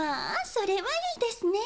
それはいいですね。